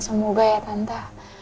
semoga ya tante